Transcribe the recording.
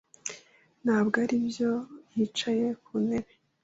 Ntabwo aribyo yicaye ku ntebe?